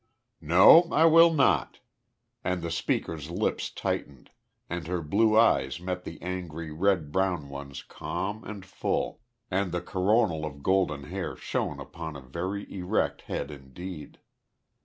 "No, I will not." And the speaker's lips tightened, and her blue eyes met the angry red brown ones calm and full, and the coronal of golden hair shone upon a very erect head indeed.